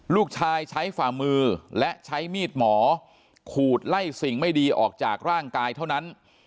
ลูกชายใช้ฝ่ามือและใช้มีดหมอขูดไล่สิ่งไม่ดีออกจากร่างกายเท่านั้น